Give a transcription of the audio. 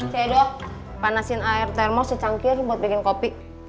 cedok panasin air termos secangkir buat bikin kopi